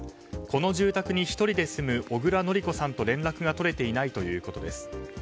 この住宅に１人で住む小倉範子さんと連絡が取れていないということです。